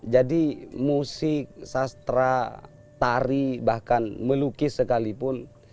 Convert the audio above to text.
jadi musik sastra tari bahkan melukis sekalipun